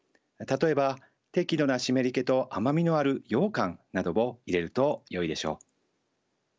例えば適度な湿り気と甘みのあるようかんなどを入れるとよいでしょう。